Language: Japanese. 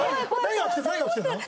何が起きてるの？